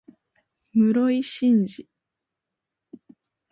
室井慎次